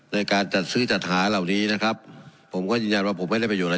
ในการจัดซื้อจัดหาเหล่านี้นะครับผมก็ยืนยันว่าผมไม่ได้ประโยชนอะไร